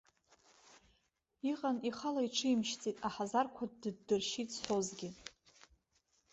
Иҟан, ихала иҽимшьӡеит, аҳазарқәа дыддыршьит зҳәозгьы.